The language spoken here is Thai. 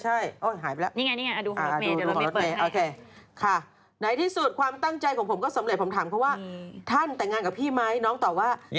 ใช่หายไปแล้วนี่ไงนี่ไงดูรูปอีกดูรูปอีกโอเคไหนที่สุดความตั้งใจของผมก็สำเร็จผมถามเพราะว่าท่านแต่งงานกับพี่ไหมน้องตอบว่าแต่งค่ะ